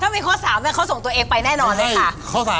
ถ้ามีข้อ๓เขาส่งตัวเองไปแน่นอนเลยค่ะ